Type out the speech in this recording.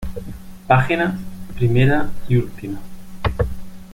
Páginas, primera y última.